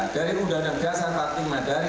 dari undang undang dasar parting madari